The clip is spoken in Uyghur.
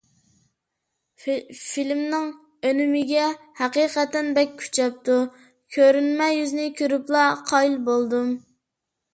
فىلىمنىڭ ئۈنۈمىگە ھەقىقەتەن بەك كۈچەپتۇ، كۆرۈنمە يۈزىنى كۆرۈپلا قايىل بولدۇم.